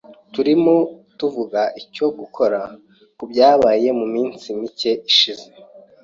Turimo tuvuga icyo gukora kubyabaye muminsi mike ishize.